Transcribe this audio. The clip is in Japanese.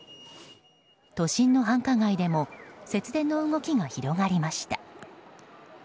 都心の繁華街でも節電の動きが広がりました。